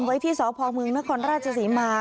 ไว้ที่สพมนครราชสีมา